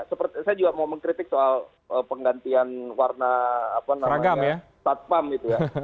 saya juga mau mengkritik soal penggantian warna satpam gitu ya